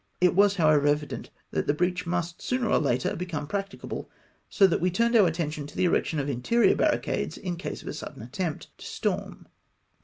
It was, however, evident that the breach must sooner or later become practicable, so that we turned our attention to the erection of interior barricades, in case of a sudden attempt to storm.